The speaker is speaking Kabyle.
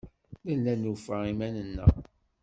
Nella nufa iman-nneɣ.